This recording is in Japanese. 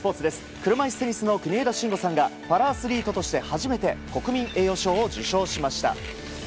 車いすテニスの国枝慎吾さんがパラアスリートとして初めて国民栄誉賞を受賞しました。